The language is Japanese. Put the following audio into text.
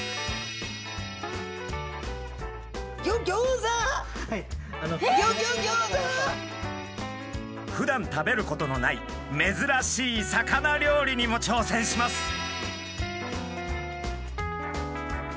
ギョギョギョーザ！ふだん食べることのない珍しい魚料理にも挑戦します。